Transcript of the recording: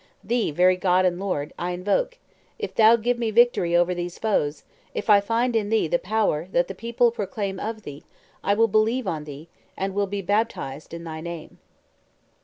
Thee, very God and Lord, I invoke; if Thou give me victory over these foes, if I find in Thee the power that the people proclaim of Thee, I will believe on Thee, and will be baptized in Thy name."